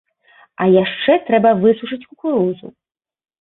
А яшчэ трэба высушыць кукурузу.